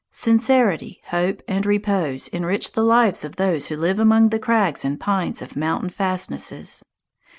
Sincerity, hope, and repose enrich the lives of those who live among the crags and pines of mountain fastnesses.